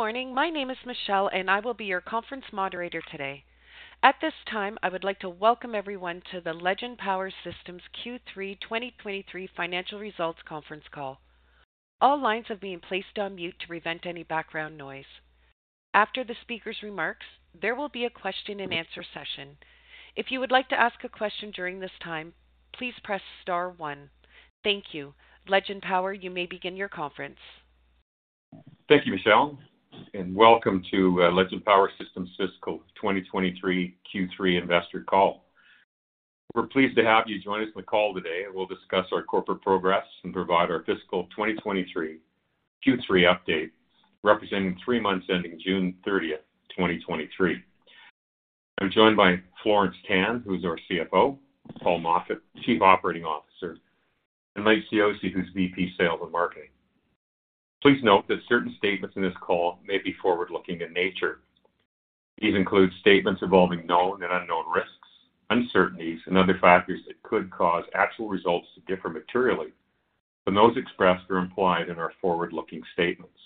Good morning. My name is Michelle, and I will be your conference moderator today. At this time, I would like to welcome everyone to the Legend Power Systems Q3 2023 Financial Results Conference Call. All lines have been placed on mute to prevent any background noise. After the speaker's remarks, there will be a Q&A session. If you would like to ask a question during this time, please press star one. Thank you. Legend Power, you may begin your conference. Thank you, Michelle, and welcome to Legend Power Systems Fiscal 2023 Q3 Investor Call. We're pleased to have you join us on the call today, and we'll discuss our corporate progress and provide our fiscal 2023 Q3 update, representing three months ending June 30th, 2023. I'm joined by Florence Tan, who's our CFO, Paul Moffat, Chief Operating Officer, and Mike Cioce, who's VP Sales and Marketing. Please note that certain statements in this call may be forward-looking in nature. These include statements involving known and unknown risks, uncertainties, and other factors that could cause actual results to differ materially from those expressed or implied in our forward-looking statements.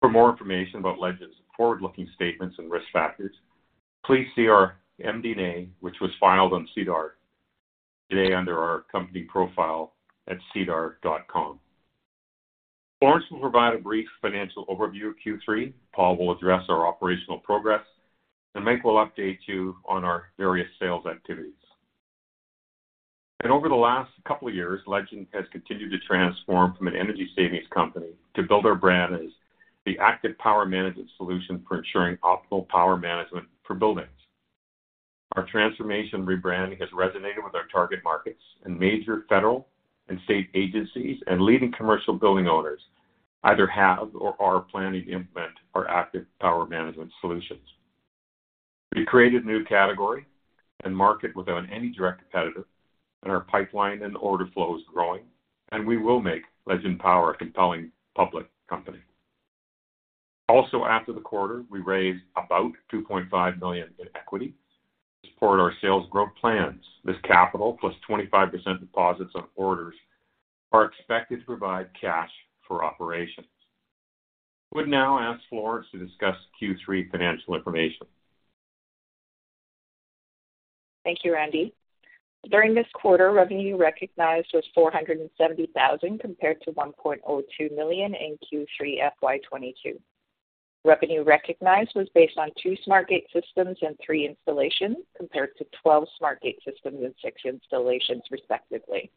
For more information about Legend's forward-looking statements and risk factors, please see our MD&A, which was filed on SEDAR today under our company profile at sedar.com. Florence will provide a brief financial overview of Q3, Paul will address our operational progress, and Mike will update you on our various sales activities. Over the last couple of years, Legend has continued to transform from an energy savings company to build our brand as the Active Power Management solution for ensuring optimal power management for buildings. Our transformation rebranding has resonated with our target markets and major federal and state agencies, and leading commercial building owners either have or are planning to implement our Active Power Management solutions. We created a new category and market without any direct competitor, and our pipeline and order flow is growing, and we will make Legend Power a compelling public company. Also, after the quarter, we raised about 2.5 million in equity to support our sales growth plans. This capital, +25% deposits on orders, are expected to provide cash for operations. I would now ask Florence to discuss Q3 financial information. Thank you, Randy. During this quarter, revenue recognized was 470,000, compared to 1.02 million in Q3 FY 2022. Revenue recognized was based on 2 SmartGATE systems and 3 installations, compared to 12 SmartGATE systems and 6 installations, respectively.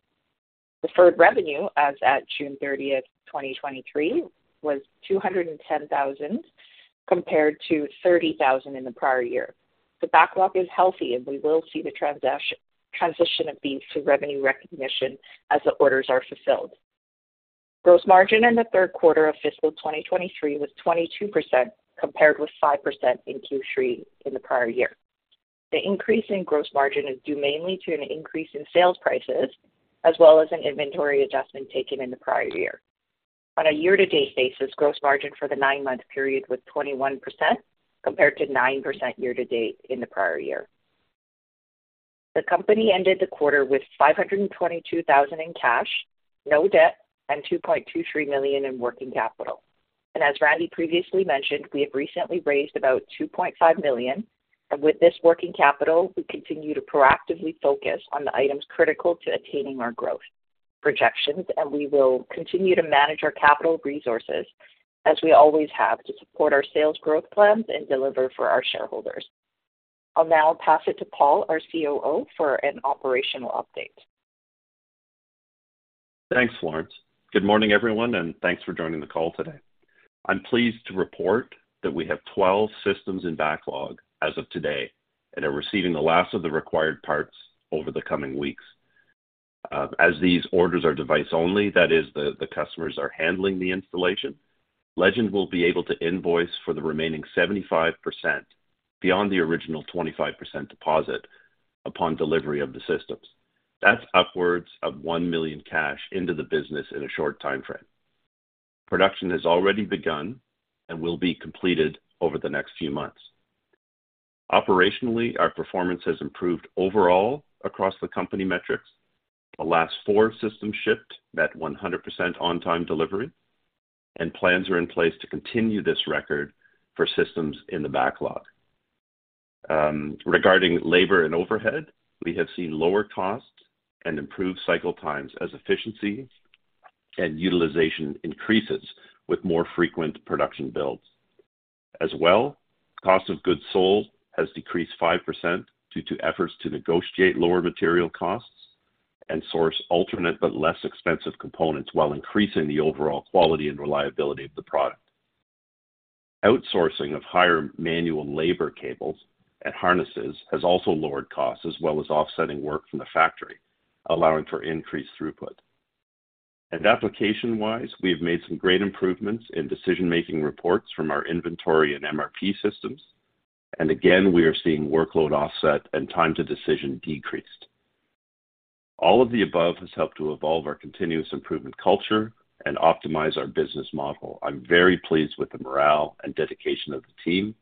Deferred revenue as at June 30th, 2023, was 210,000, compared to 30,000 in the prior year. The backlog is healthy, and we will see the transition of these to revenue recognition as the orders are fulfilled. Gross margin in the third quarter of fiscal 2023 was 22%, compared with 5% in Q3 in the prior year. The increase in gross margin is due mainly to an increase in sales prices, as well as an inventory adjustment taken in the prior year. On a year-to-date basis, gross margin for the nine-month period was 21%, compared to 9% year-to-date in the prior year. The company ended the quarter with 522,000 in cash, no debt, and 2.23 million in working capital. As Randy previously mentioned, we have recently raised about 2.5 million, and with this working capital, we continue to proactively focus on the items critical to attaining our growth projections. We will continue to manage our capital resources, as we always have, to support our sales growth plans and deliver for our shareholders. I'll now pass it to Paul, our COO, for an operational update. Thanks, Florence. Good morning, everyone, and thanks for joining the call today. I'm pleased to report that we have 12 systems in backlog as of today and are receiving the last of the required parts over the coming weeks. As these orders are device-only, that is, the customers are handling the installation, Legend will be able to invoice for the remaining 75% beyond the original 25% deposit upon delivery of the systems. That's upwards of 1 million cash into the business in a short timeframe. Production has already begun and will be completed over the next few months. Operationally, our performance has improved overall across the company metrics. The last four systems shipped met 100% on-time delivery, and plans are in place to continue this record for systems in the backlog. Regarding labor and overhead, we have seen lower costs and improved cycle times as efficiency and utilization increases with more frequent production builds. As well, cost of goods sold has decreased 5% due to efforts to negotiate lower material costs and source alternate but less expensive components, while increasing the overall quality and reliability of the product. Outsourcing of higher manual labor cables and harnesses has also lowered costs, as well as offsetting work from the factory, allowing for increased throughput. And application-wise, we have made some great improvements in decision-making reports from our inventory and MRP systems, and again, we are seeing workload offset and time to decision decreased. All of the above has helped to evolve our continuous improvement culture and optimize our business model. I'm very pleased with the morale and dedication of the team.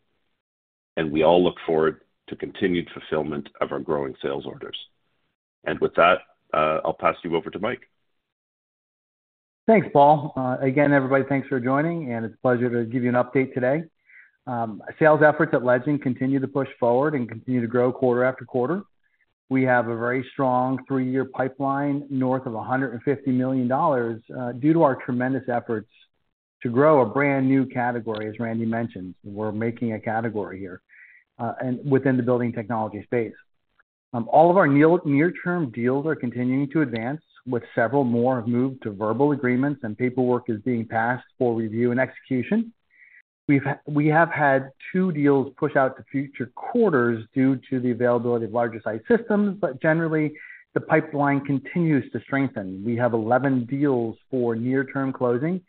We all look forward to continued fulfillment of our growing sales orders. With that, I'll pass you over to Mike. Thanks, Paul. Again, everybody, thanks for joining, and it's a pleasure to give you an update today. Sales efforts at Legend continue to push forward and continue to grow quarter after quarter. We have a very strong three-year pipeline, north of $150 million, due to our tremendous efforts to grow a brand-new category, as Randy mentioned. We're making a category here, and within the building technology space. All of our near-term deals are continuing to advance, with several more have moved to verbal agreements, and paperwork is being passed for review and execution. We have had 2 deals push out to future quarters due to the availability of larger-sized systems, but generally, the pipeline continues to strengthen. We have 11 deals for near-term closing,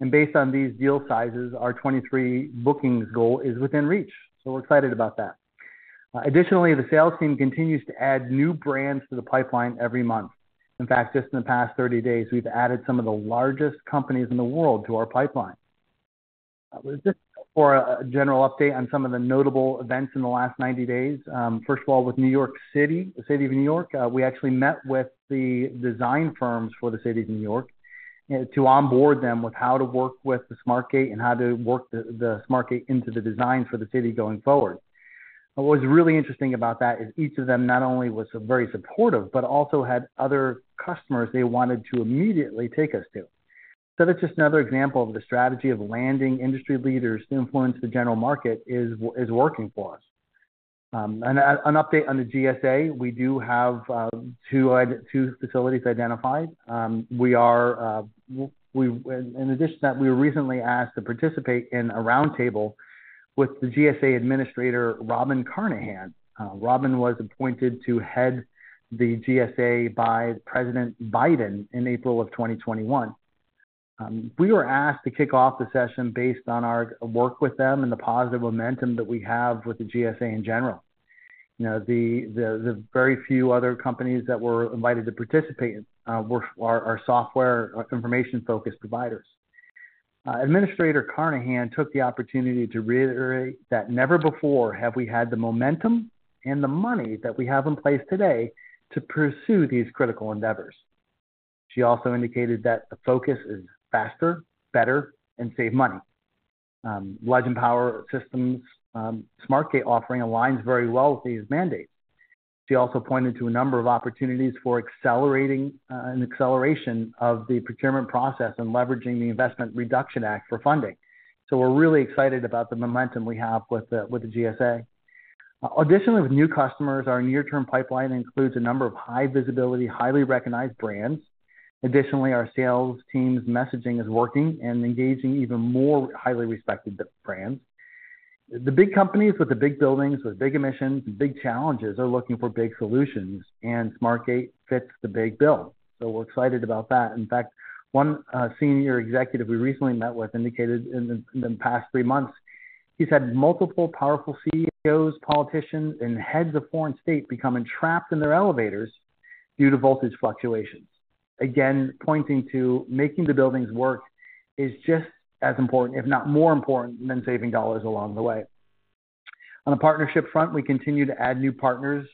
and based on these deal sizes, our 23 bookings goal is within reach. So we're excited about that. Additionally, the sales team continues to add new brands to the pipeline every month. In fact, just in the past 30 days, we've added some of the largest companies in the world to our pipeline. Just for a general update on some of the notable events in the last 90 days. First of all, with New York City, the City of New York, we actually met with the design firms for the City of New York, to onboard them with how to work with the SmartGATE and how to work the SmartGATE into the design for the city going forward. What was really interesting about that is each of them not only was very supportive, but also had other customers they wanted to immediately take us to. So that's just another example of the strategy of landing industry leaders to influence the general market is working for us. And an update on the GSA. We do have two facilities identified. In addition to that, we were recently asked to participate in a roundtable with the GSA administrator, Robin Carnahan. Robin was appointed to head the GSA by President Biden in April of 2021. We were asked to kick off the session based on our work with them and the positive momentum that we have with the GSA in general. You know, the very few other companies that were invited to participate were software information-focused providers. Administrator Carnahan took the opportunity to reiterate that never before have we had the momentum and the money that we have in place today to pursue these critical endeavors. She also indicated that the focus is faster, better, and save money. Legend Power Systems' SmartGATE offering aligns very well with these mandates. She also pointed to a number of opportunities for accelerating an acceleration of the procurement process and leveraging the Inflation Reduction Act for funding. So we're really excited about the momentum we have with the GSA. Additionally, with new customers, our near-term pipeline includes a number of high-visibility, highly recognized brands. Additionally, our sales team's messaging is working and engaging even more highly respected brands. The big companies with the big buildings, with big emissions and big challenges, are looking for big solutions, and SmartGATE fits the big bill. So we're excited about that. In fact, one senior executive we recently met with indicated in the past three months, he's had multiple powerful CEOs, politicians, and heads of foreign state becoming trapped in their elevators due to voltage fluctuations. Again, pointing to making the buildings work is just as important, if not more important, than saving dollars along the way. On a partnership front, we continue to add new partners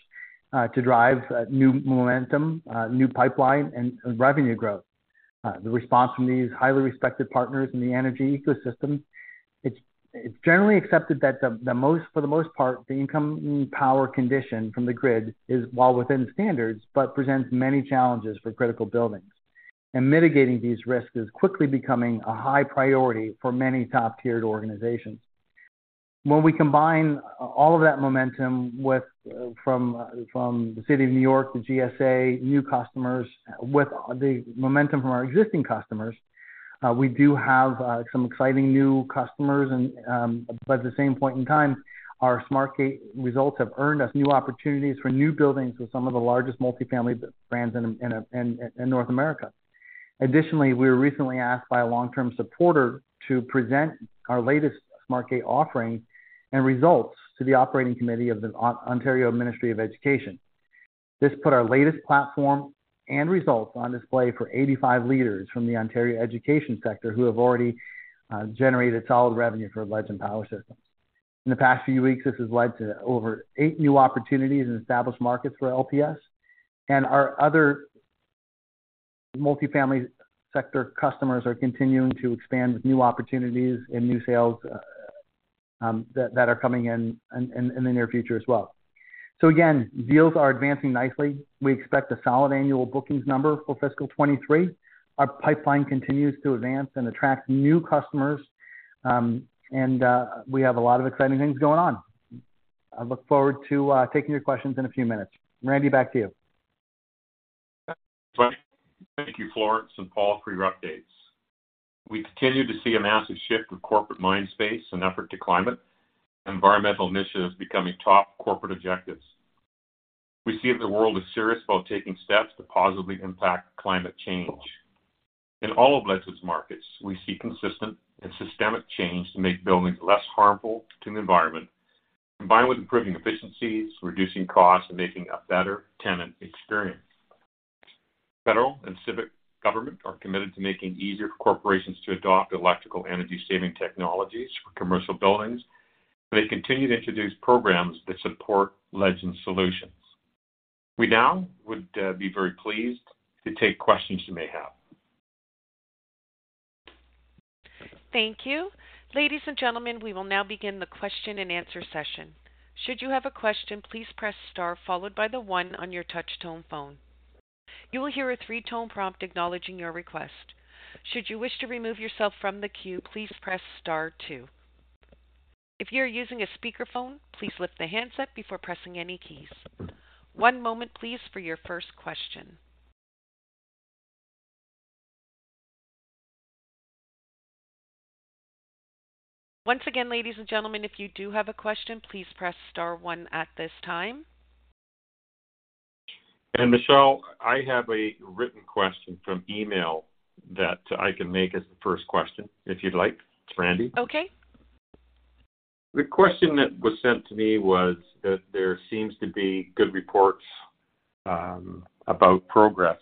to drive new momentum, new pipeline, and revenue growth. The response from these highly respected partners in the energy ecosystem, it's generally accepted that for the most part, the incoming power condition from the grid is well within standards, but presents many challenges for critical buildings. And mitigating these risks is quickly becoming a high priority for many top-tiered organizations. When we combine all of that momentum with, from the City of New York, the GSA, new customers, with the momentum from our existing customers, we do have some exciting new customers and, but at the same point in time, our SmartGATE results have earned us new opportunities for new buildings with some of the largest multifamily brands in North America. Additionally, we were recently asked by a long-term supporter to present our latest SmartGATE offering and results to the operating committee of the Ontario Ministry of Education. This put our latest platform and results on display for 85 leaders from the Ontario education sector, who have already generated solid revenue for Legend Power Systems. In the past few weeks, this has led to over 8 new opportunities in established markets for LPS, and our other multifamily sector customers are continuing to expand with new opportunities and new sales that are coming in the near future as well. So again, deals are advancing nicely. We expect a solid annual bookings number for fiscal 2023. Our pipeline continues to advance and attract new customers, and we have a lot of exciting things going on. I look forward to taking your questions in a few minutes. Randy, back to you. Thank you, Florence and Paul, for your updates. We continue to see a massive shift of corporate mind space and effort to climate, environmental initiatives becoming top corporate objectives. We see the world is serious about taking steps to positively impact climate change. In all of Legend's markets, we see consistent and systemic change to make buildings less harmful to the environment, combined with improving efficiencies, reducing costs, and making a better tenant experience.... Federal and civic government are committed to making it easier for corporations to adopt electrical energy-saving technologies for commercial buildings. They continue to introduce programs that support Legend's solutions. We now would be very pleased to take questions you may have. Thank you. Ladies and gentlemen, we will now begin the Q&A session. Should you have a question, please press star followed by the one on your touch-tone phone. You will hear a three-tone prompt acknowledging your request. Should you wish to remove yourself from the queue, please press star two. If you are using a speakerphone, please lift the handset before pressing any keys. One moment, please, for your first question. Once again, ladies and gentlemen, if you do have a question, please press star one at this time. Michelle, I have a written question from email that I can make as the first question, if you'd like. It's Randy. Okay. The question that was sent to me was that there seems to be good reports about progress,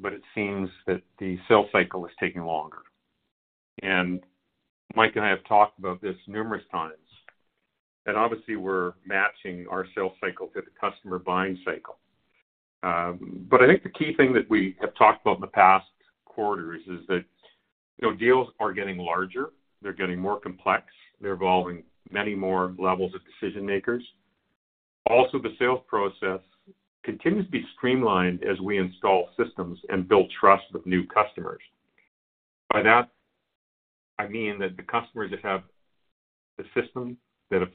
but it seems that the sales cycle is taking longer. Mike and I have talked about this numerous times, that obviously we're matching our sales cycle to the customer buying cycle. But I think the key thing that we have talked about in the past quarters is that, you know, deals are getting larger, they're getting more complex, they're involving many more levels of decision-makers. Also, the sales process continues to be streamlined as we install systems and build trust with new customers. By that, I mean that the customers that have the system, that have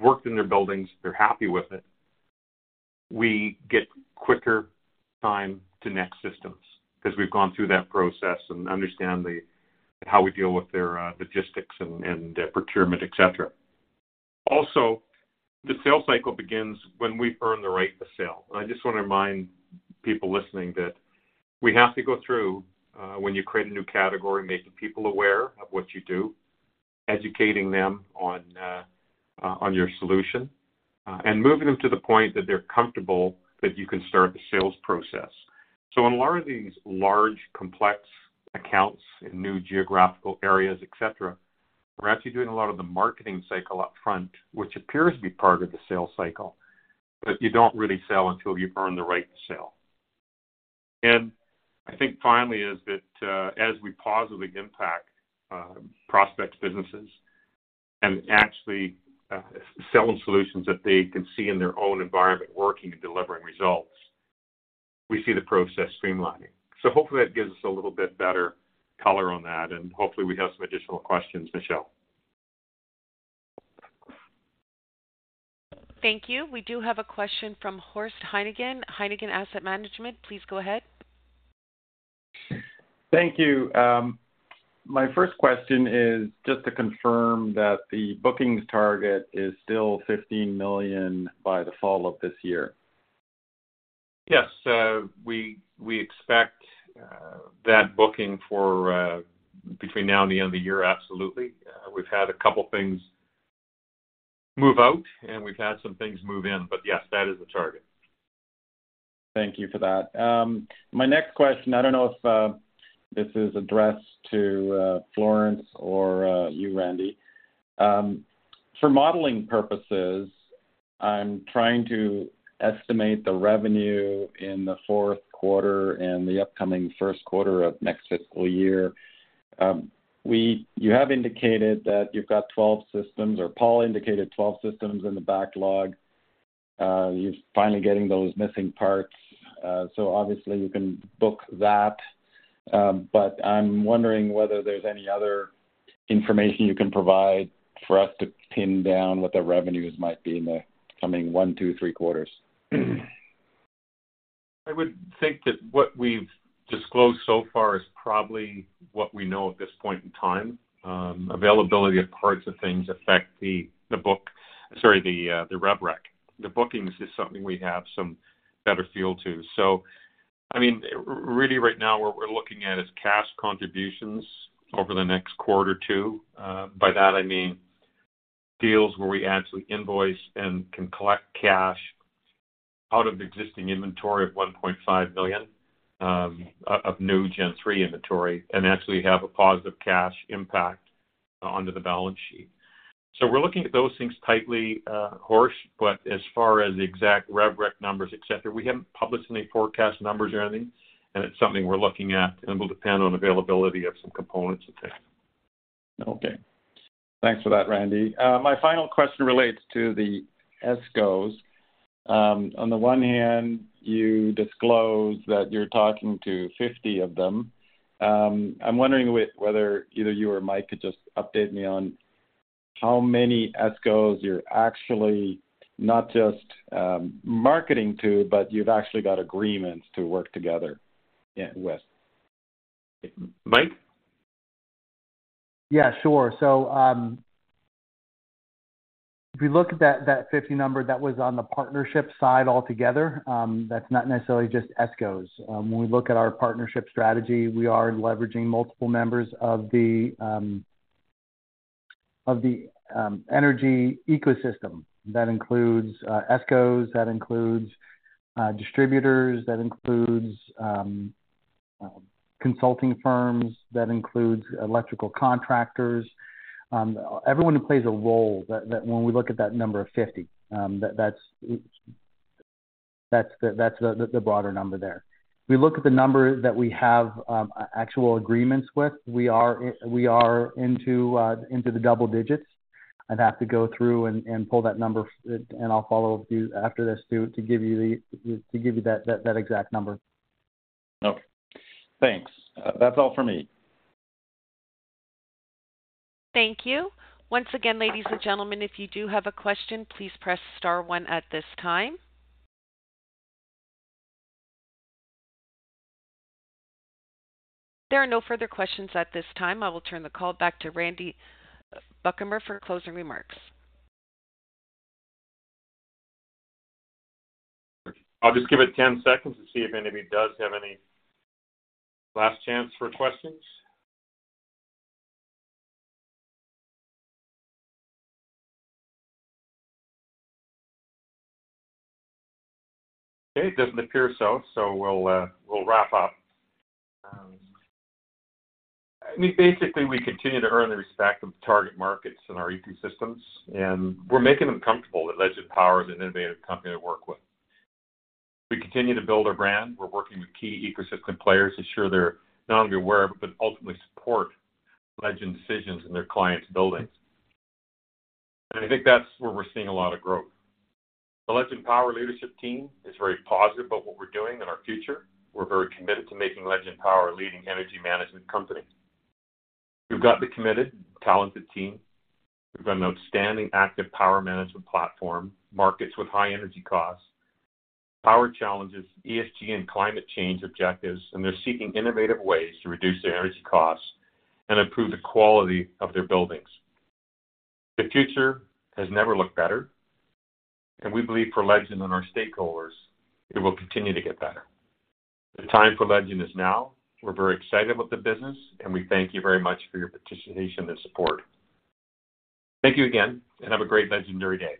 worked in their buildings, they're happy with it. We get quicker time to next systems because we've gone through that process and understand how we deal with their logistics and procurement, et cetera. Also, the sales cycle begins when we earn the right to sell. I just want to remind people listening that we have to go through when you create a new category, making people aware of what you do, educating them on your solution, and moving them to the point that they're comfortable that you can start the sales process. So in a lot of these large, complex accounts in new geographical areas, et cetera, we're actually doing a lot of the marketing cycle upfront, which appears to be part of the sales cycle, but you don't really sell until you've earned the right to sell. And I think finally is that, as we positively impact prospects, businesses, and actually selling solutions that they can see in their own environment working and delivering results, we see the process streamlining. So hopefully, that gives us a little bit better color on that, and hopefully, we have some additional questions, Michelle. Thank you. We do have a question from Horst Hueniken, Hueniken Asset Management. Please go ahead. Thank you. My first question is just to confirm that the bookings target is still 15 million by the fall of this year. Yes, we expect that booking for between now and the end of the year, absolutely. We've had a couple of things move out, and we've had some things move in, but yes, that is the target. Thank you for that. My next question, I don't know if this is addressed to Florence or you, Randy. For modeling purposes, I'm trying to estimate the revenue in the fourth quarter and the upcoming first quarter of next fiscal year. You have indicated that you've got 12 systems, or Paul indicated 12 systems in the backlog. You're finally getting those missing parts, so obviously you can book that. But I'm wondering whether there's any other information you can provide for us to pin down what the revenues might be in the coming one, two, three quarters. I would think that what we've disclosed so far is probably what we know at this point in time. Availability of parts of things affect the, the book... Sorry, the, the rev rec. The bookings is something we have some better feel to. So, I mean, really, right now, what we're looking at is cash contributions over the next quarter or two. By that I mean deals where we actually invoice and can collect cash out of the existing inventory of 1.5 million of new Gen 3 inventory and actually have a positive cash impact onto the balance sheet. So we're looking at those things tightly, Horst, but as far as the exact rev rec numbers, et cetera, we haven't published any forecast numbers or anything, and it's something we're looking at, and will depend on availability of some components and things. Okay. Thanks for that, Randy. My final question relates to the ESCOs. On the one hand, you disclose that you're talking to 50 of them. I'm wondering whether either you or Mike could just update me on how many ESCOs you're actually not just marketing to, but you've actually got agreements to work together, yeah, with. Mike? Yeah, sure. So, if you look at that 50 number, that was on the partnership side altogether, that's not necessarily just ESCOs. When we look at our partnership strategy, we are leveraging multiple members of the energy ecosystem. That includes ESCOs, that includes distributors, that includes consulting firms, that includes electrical contractors, everyone who plays a role. That when we look at that number of 50, that's the broader number there. We look at the number that we have actual agreements with. We are into the double digits. I'd have to go through and pull that number, and I'll follow up with you after this to give you that exact number. Okay, thanks. That's all for me. Thank you. Once again, ladies and gentlemen, if you do have a question, please press star one at this time. There are no further questions at this time. I will turn the call back to Randy Buchamer for closing remarks. I'll just give it 10 seconds to see if anybody does have any last chance for questions. Okay, it doesn't appear so, so we'll we'll wrap up. I mean, basically, we continue to earn the respect of the target markets in our ecosystems, and we're making them comfortable that Legend Power is an innovative company to work with. We continue to build our brand. We're working with key ecosystem players to ensure they're not only aware, but ultimately support Legend decisions in their clients' buildings. And I think that's where we're seeing a lot of growth. The Legend Power leadership team is very positive about what we're doing and our future. We're very committed to making Legend Power a leading energy management company. We've got the committed, talented team. We've got an outstanding Active Power Management platform, markets with high energy costs, power challenges, ESG and climate change objectives, and they're seeking innovative ways to reduce their energy costs and improve the quality of their buildings. The future has never looked better, and we believe for Legend and our stakeholders, it will continue to get better. The time for Legend is now. We're very excited about the business, and we thank you very much for your participation and support. Thank you again, and have a great legendary day.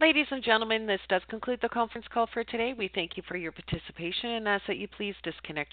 Ladies and gentlemen, this does conclude the conference call for today. We thank you for your participation and ask that you please disconnect your-